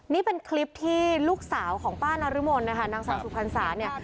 นี่เป็นคลิปที่ลูกสาวของป้านรมนนะคะนางสาวสุพรรษาเนี่ย